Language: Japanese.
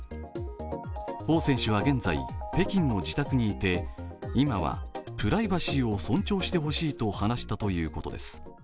彭選手は現在、北京の自宅にいて今はプライバシーを尊重してほしいと話したということです。